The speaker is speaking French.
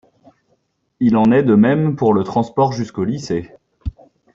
Il en est de même pour le transport jusqu'au lycée.